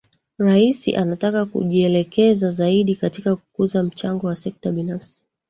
Rais anataka kujielekeza zaidi katika kukuza mchango wa sekta binafsi